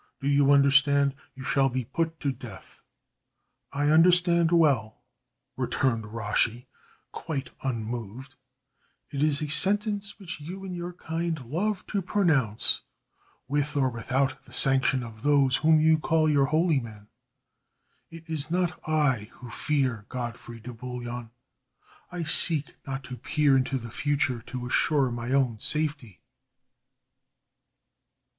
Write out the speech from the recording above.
Do you understand? You shall be put to death." "I understand well," returned Rashi, quite unmoved, "it is a sentence which you and your kind love to pronounce with or without the sanction of those whom you call your holy men. It is not I who fear, Godfrey de Bouillon. I seek not to peer into the future to assure my own safety."